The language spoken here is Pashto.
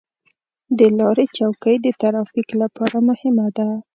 د لارې چوکۍ د ترافیک لپاره مهمه ده.